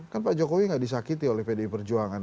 kan pak jokowi gak disakiti oleh pdb perjuangan